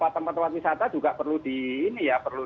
tempat tempat wisata juga perlu